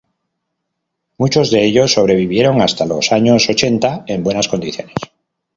Muchos de ellos sobrevivieron hasta los años ochenta, en buenas condiciones.